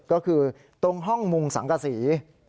ก็คือตรงห้องมุงสังกษี